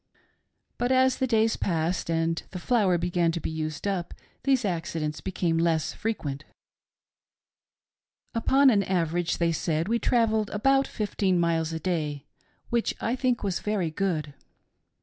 But as the days passed, and the flour began to be used up, these accidents became less frequent. 2l6i. VISITORS ^O THE CAMP. '"Upon an average, they said, we travelled about fifteen miles a day, which I think was very good.